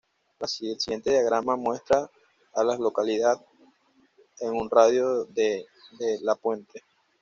El siguiente diagrama muestra a las Localidad en un radio de de La Puente.